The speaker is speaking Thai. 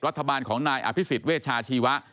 รัฐบาลของนายอภิษฐ์เวชาชีวะ